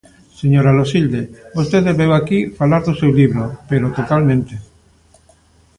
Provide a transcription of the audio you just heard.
Señora Loxilde, vostede veu aquí falar do seu libro, pero totalmente.